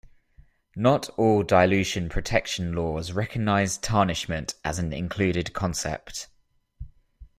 Not all dilution protection laws recognize tarnishment as an included concept.